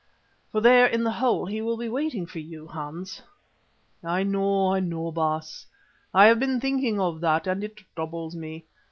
For there in the hole he will be waiting for you, Hans." "I know, I know, Baas. I have been thinking of that and it troubles me.